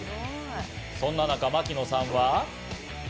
そんな中、槙野さんは。